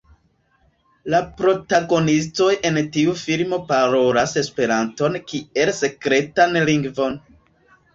La protagonistoj en tiu filmo parolas Esperanton kiel sekretan lingvon.